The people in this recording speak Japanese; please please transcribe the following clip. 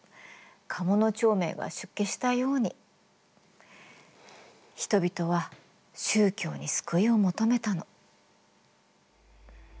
鴨長明が出家したように人々は宗教に救いを求めたの。